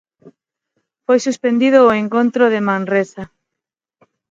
Foi suspendido o encontro de Manresa.